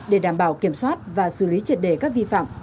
để đảm bảo kiểm soát và xử lý triệt đề các vi phạm